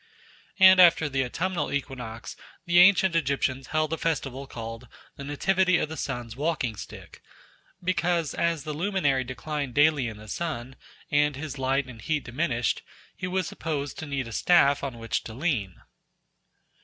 And after the autumnal equinox the ancient Egyptians held a festival called "the nativity of the sun's walking stick," because, as the luminary declined daily in the sky, and his light and heat diminished, he was supposed to need a staff on which to lean.